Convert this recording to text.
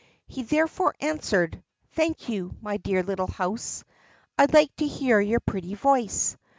He therefore answered: "Thank you, my dear little house. I like to hear your pretty voice.